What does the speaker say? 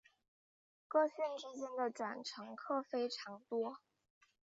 各线之间的转乘客非常多。